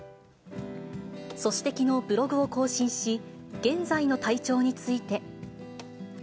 そしてきのう、ブログを更新し、現在の体調について。